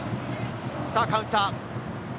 カウンター。